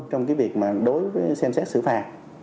trong việc đối với xem xét sử phạt